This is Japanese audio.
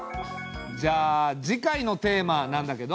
じゃあ次回のテーマなんだけど。